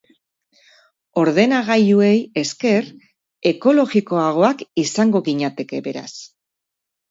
Ordenagailuei esker, ekologikoagoak izango ginateke, beraz.